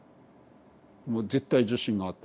もう絶対自信があったから。